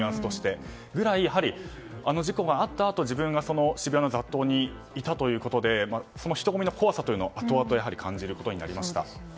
そのぐらいやはりあの事故があったあと自分が渋谷の雑踏にいたということで人混みの怖さを後々感じることになりました。